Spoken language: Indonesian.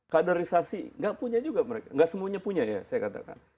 kaderisasi nggak punya juga mereka nggak semuanya punya ya saya katakan